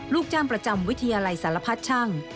ลูกจ้างประจำวิทยาลัยสารพัดช่าง